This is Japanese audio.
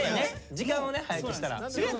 時間をね早くしたら。